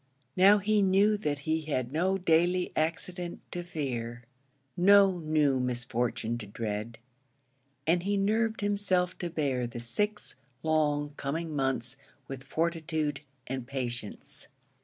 Now he knew that he had no daily accident to fear no new misfortune to dread and he nerved himself to bear the six long coming months with fortitude and patience.